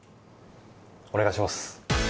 お願いします。